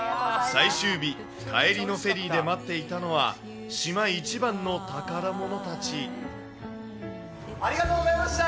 最終日、帰りのフェリーで待っていたのは、ありがとうございました。